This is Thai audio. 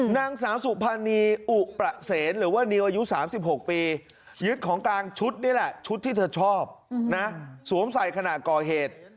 นางสาวสุภานีอุประเสนหรือว่านิวอายุ๓๖ปียึดของกลางชุดนี่แหละชุดที่เธอชอบนะสวมใส่ขณะก่อเหตุ